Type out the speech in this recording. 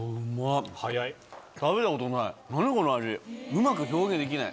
うまく表現できない。